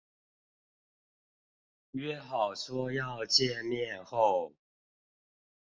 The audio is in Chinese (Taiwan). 約好說要見面後